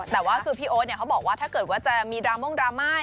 แต่ว่าคือพี่โอ๊ตเขาบอกว่าถ้าเกิดว่าจะมีดราม่งดราม่า